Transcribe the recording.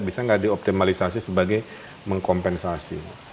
bisa nggak dioptimalisasi sebagai mengkompensasi